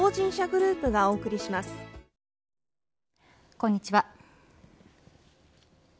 こんにちは。